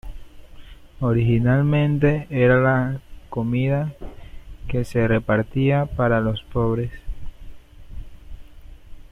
Originalmente era la comida que se repartía para los pobres.